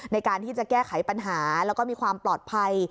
ในการที่จะแก้ไขปัญหาแล้วก็มีความปลอดภัย